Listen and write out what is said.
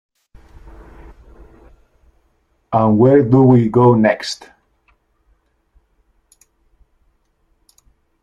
And where do we go next?